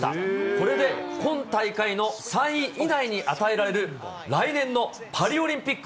これで今大会の３位以内に与えられる来年のパリオリンピック